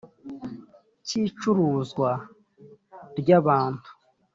cy icuruzwa ry abantu